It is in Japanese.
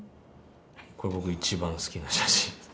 これ僕一番好きな写真。